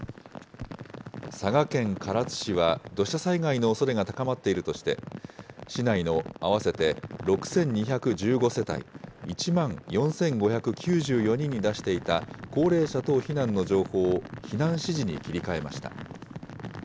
佐賀県唐津市は土砂災害のおそれが高まっているとして、市内の合わせて６２１５世帯１万４５９４人に出していた高齢者等避難の情報を避難指示に切り替えました。